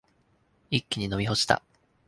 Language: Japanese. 一気に飲み干した。